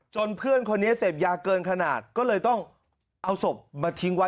เพื่อนคนนี้เสพยาเกินขนาดก็เลยต้องเอาศพมาทิ้งไว้